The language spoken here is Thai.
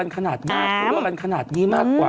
เราเลือกกันขนาดนี้มากกว่า